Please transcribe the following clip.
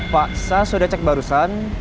pak saya sudah cek barusan